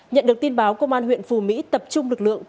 nhận được tin báo công an huyện phù mỹ tập trung lực lượng